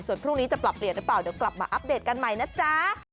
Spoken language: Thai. ส่วนพรุ่งนี้จะปรับเปลี่ยนหรือเปล่าเดี๋ยวกลับมาอัปเดตกันใหม่นะจ๊ะ